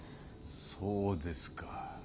そうですか。